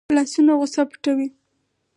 لاسونه غصه پټوي